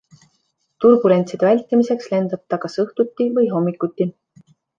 Turbulentside vältimiseks lendab ta kas õhtuti või hommikuti.